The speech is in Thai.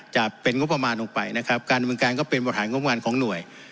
จะเป็นงบประมาณลงไปนะครับการเมืองการก็เป็นบริหารงบประมาณของหน่วย